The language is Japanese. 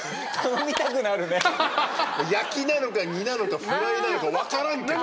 焼きなのか煮なのかフライなのか分からんけど。